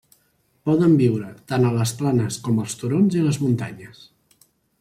Poden viure tant a les planes com els turons i les muntanyes.